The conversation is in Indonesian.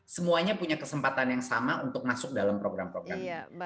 semuanya punya kesempatan yang sama untuk masuk dalam program program